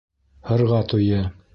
Һырға туйы